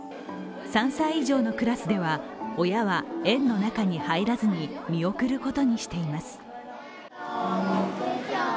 ３歳以上のクラスでは親は園の中に入らずに見送ることにしています。